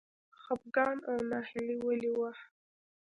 خپګان او ناهیلي ولې وه.